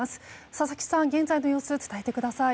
佐々木さん、現在の様子を伝えてください。